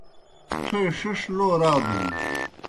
تھوئے ݜِݜ لو رادُن۔